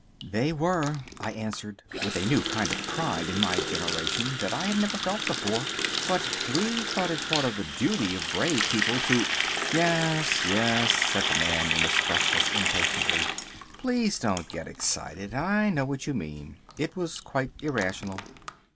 "They were," I answered, with a new kind of pride in my generation that I had never felt before, "but we thought it part of the duty of brave people to—" "Yes, yes," said the Man in Asbestos impatiently, "please don't get excited. I know what you mean. It was quite irrational."